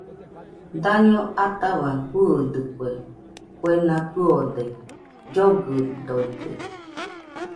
Daño ataua fɨɨdɨkue, kuena kɨode, llogɨdoite